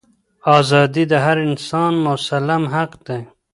ازادي د هر انسان مسلم حق دی.